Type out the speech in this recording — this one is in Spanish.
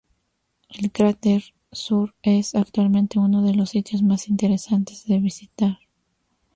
El cráter sur es, actualmente, uno de los sitios más interesantes de visitar.